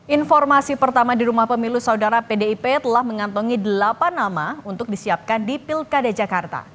informasi pertama di rumah pemilu saudara pdip telah mengantongi delapan nama untuk disiapkan di pilkada jakarta